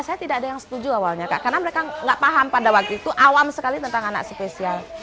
saya tidak ada yang setuju awalnya kak karena mereka nggak paham pada waktu itu awam sekali tentang anak spesial